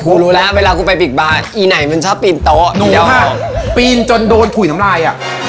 กูรู้แล้วเวลากูไปบิ๊กบาร์อีหน่อยมันชอบปีนโต๊ะหนูค่ะปีนจนโดนถ่วยน้ำลายอ่ะ